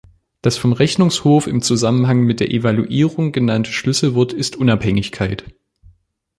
Das vom Rechnungshof im Zusammenhang mit der Evaluierung genannte Schlüsselwort ist Unabhängigkeit.